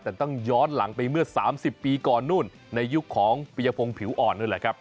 แต่ต้องย้อนหลังไปเมื่อ๓๐ปีก่อนนู่นในยุคของปียพงศ์ผิวอ่อนนั่นแหละครับ